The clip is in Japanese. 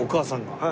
はい。